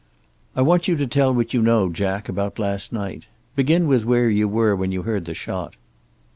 "I want you to tell what you know, Jack, about last night. Begin with where you were when you heard the shot."